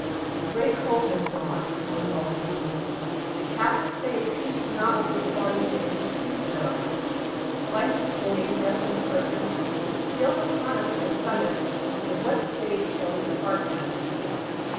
"Great hope has dawned," wrote Augustine; "the Catholic Faith teaches not what we thought and vainly accused it of. Life is vain, death uncertain; if it steals upon us of a sudden, in what state shall we depart hence?